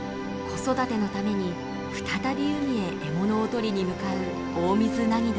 子育てのために再び海へ獲物を取りに向かうオオミズナギドリ。